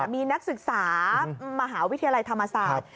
มีนักศึกษามหาวิทยาลัยธรรมศาสตร์